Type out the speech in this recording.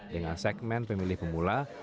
dengan segmen pemilih pemula